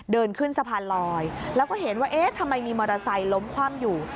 เดินขึ้นสะพานลอยแล้วก็เห็นว่าเอ๊ะทำไมมีมอเตอร์ไซค์ล้มคว่ำอยู่